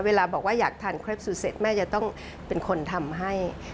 เวลาบอกว่าอยากทานเครปสูตรเสร็จแม่จะต้องเป็นคนทำให้